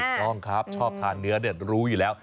ถูกต้องครับชอบทานเนื้อเนี่ยรู้อยู่แล้ว